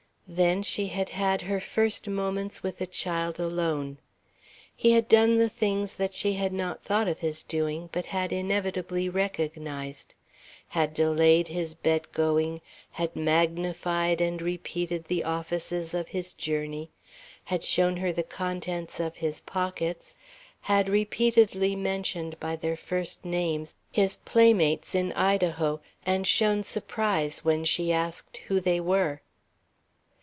Then she had had her first moments with the child alone. He had done the things that she had not thought of his doing but had inevitably recognized: Had delayed his bed going, had magnified and repeated the offices of his journey, had shown her the contents of his pockets, had repeatedly mentioned by their first names his playmates in Idaho and shown surprise when she asked him who they were.